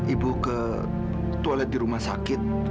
ibu ke toilet di rumah sakit